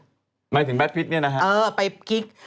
หมายถึงแบดพิษเนี่ยนะฮะเออไปกิ๊ก